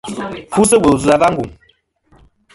Fu sɨ̂ wùl ɨ̀ vzɨ̀ a wa ngùŋ.